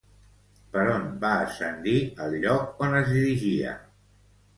Per on va ascendir al lloc on es dirigia?